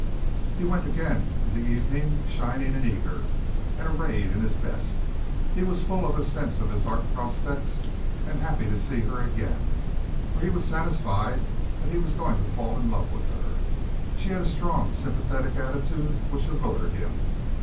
He went again in the evening, shining and eager, and arrayed in his best. He was full of the sense of his art prospects, and happy to see her again, for he was satisfied that he was going to fall in love with her. She had a strong, sympathetic attitude which allured him.